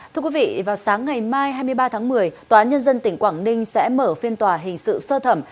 thưa quý vị vào sáng ngày mai hai mươi ba tháng một mươi tòa án nhân dân tỉnh quảng ninh sẽ mở phiên tòa hình sự sơ thẩm